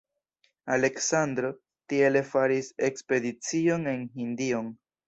Aleksandro tiele faris ekspedicion en Hindion.